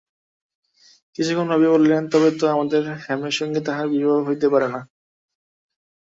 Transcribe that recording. কিছুক্ষণ ভাবিয়া বলিলেন, তবে তো আমাদের হেমের সঙ্গে তাহার বিবাহ হইতেই পারে না।